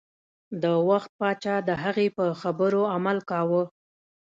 د وخت پاچا د هغې په خبرو عمل کاوه.